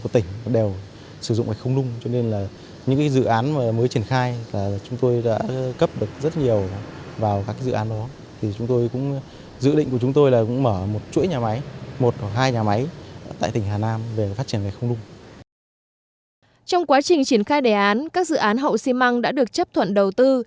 trong quá trình triển khai đề án các dự án hậu xi măng đã được chấp thuận đầu tư